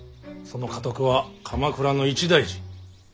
その家督は鎌倉の一大事。